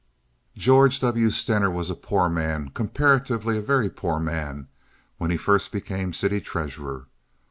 "George W. Stener was a poor man, comparatively a very poor man, when he first became city treasurer.